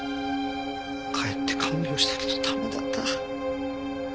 帰って看病したけど駄目だった。